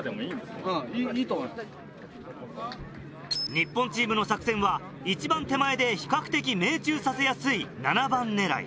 日本チームの作戦は一番手前で比較的命中させやすい７番狙い。